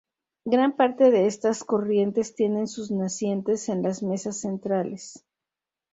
Gran parte de estas corrientes tienen sus nacientes en las mesas centrales.